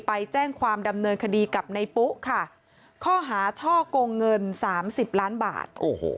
ไปแจ้งความดำเนินคดีกับในปุ๊ค่ะข้อหาช่อกงเงินสามสิบล้านบาท